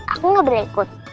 aku gak boleh ikut